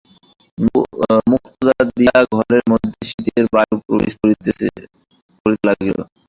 মুক্ত দ্বার দিয়া ঘরের মধ্যে শীতের বায়ু প্রবেশ করিতে লাগিল।